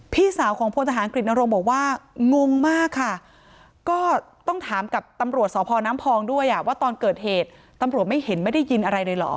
พี่สาวของพลทหารกฤตนรงค์บอกว่างงมากค่ะก็ต้องถามกับตำรวจสพน้ำพองด้วยว่าตอนเกิดเหตุตำรวจไม่เห็นไม่ได้ยินอะไรเลยเหรอ